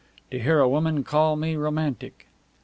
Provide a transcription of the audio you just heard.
"To hear a woman call me romantic!"